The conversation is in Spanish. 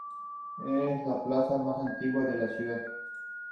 Es la plaza más antigua de la ciudad.